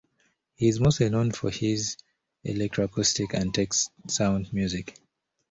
He is mostly known for his electroacoustic and text-sound music.